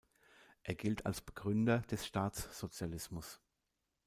Er gilt als Begründer des Staatssozialismus.